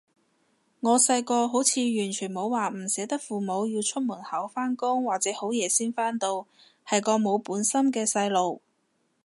我細個好似完全冇話唔捨得父母要出門口返工或者好夜先返到，係個冇本心嘅細路